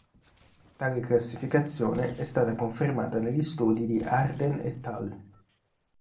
Tale classificazione è stata confermata dagli studi di Arden "et al.